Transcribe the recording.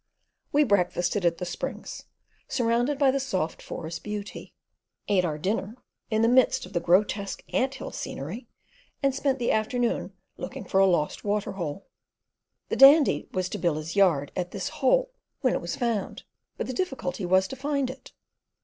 We breakfasted at the Springs, surrounded by the soft forest beauty; ate our dinner in the midst of grotesque ant hill scenery, and spent the afternoon looking for a lost water hole. The Dandy was to build his yard at this hole when it was found, but the difficulty was to find it.